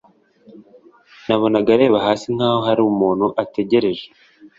Nabonaga areba hasi nk’aho hari umuntu ategereje